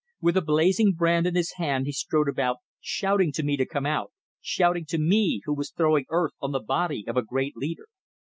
With a blazing brand in his hand he strode around, shouting to me to come out shouting to me, who was throwing earth on the body of a great leader.